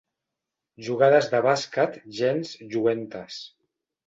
Jugades de bàsquet gens lluentes.